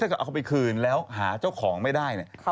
ถ้าเกิดเอาไปคืนแล้วหาเจ้าของไม่ได้